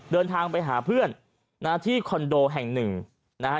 เดินทางไปหาเพื่อนนะฮะที่คอนโดแห่งหนึ่งนะฮะ